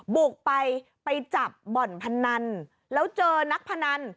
บุกไปไปจับบ่อนพนันแล้วเจอนักพนัน